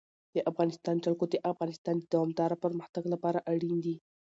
د افغانستان جلکو د افغانستان د دوامداره پرمختګ لپاره اړین دي.